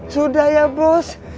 sudah ya bos